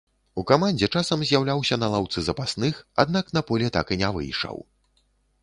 У камандзе часам з'яўляўся на лаўцы запасных, аднак на поле так і не выйшаў.